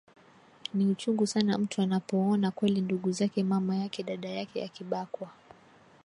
ni uchungu sana mtu anapoona kweli ndugu zake mama yake dada yake akibakwa